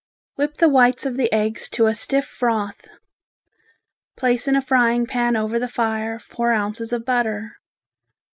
Whip the whites of the eggs to a stiff froth. Place in a frying pan over the fire four ounces of butter.